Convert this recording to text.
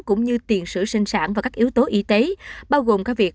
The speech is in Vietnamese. cũng như tiền sử sinh sản và các yếu tố y tế bao gồm các việc